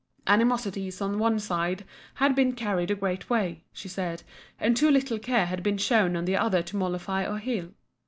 Animosities on one side had been carried a great way, she said; and too little care had been shown on the other to mollify or heal.